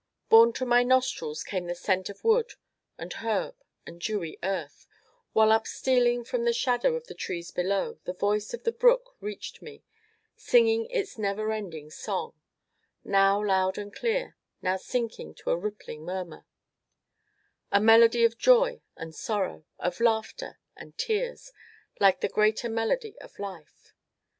Borne to my nostrils came the scent of wood and herb and dewy earth, while upstealing from the shadow of the trees below, the voice of the brook reached me, singing its never ending song now loud and clear, now sinking to a rippling murmur a melody of joy and sorrow, of laughter and tears, like the greater melody of Life.